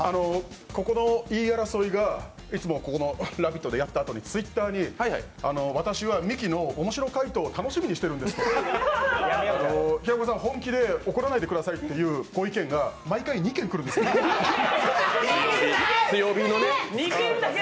ここの言い争いが、いつもここの「ラヴィット！」をやったあとに、Ｔｗｉｔｔｅｒに私はミキの面白回答を楽しみにしてるんですと、平子さん、本気で怒らないでくださいというご意見が毎回、２件来るんですね。